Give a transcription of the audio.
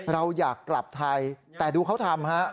เราอยากกลับไทยแต่ดูเขาทำฮะ